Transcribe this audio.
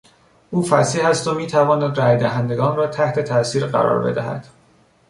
او فصیح است و میتواند رای دهندگان را تحت تاثیر قرار بدهد.